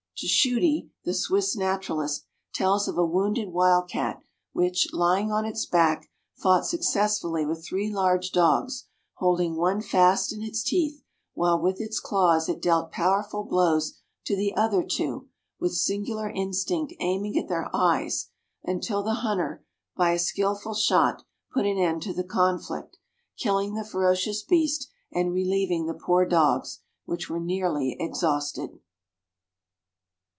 Tschudi, the Swiss naturalist, tells of a wounded wild cat, which, lying on its back, fought successfully with three large dogs, holding one fast in its teeth, while with its claws it dealt powerful blows to the other two, with singular instinct aiming at their eyes, until the hunter, by a skillful shot, put an end to the conflict, killing the ferocious beast, and relieving the poor dogs, which were nearly exhausted.